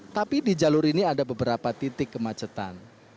tapi di jalur ini ada beberapa titik kemacetan